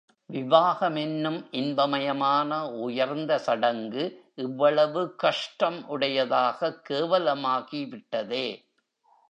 விவாகமென்னும் இன்பமயமான உயர்ந்த சடங்கு, இவ்வளவு கஷ்டம் உடையதாய்க் கேவலமாகி விட்டதே.